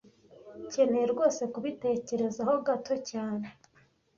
Nkeneye rwose kubitekerezaho gato cyane